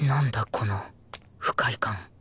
この不快感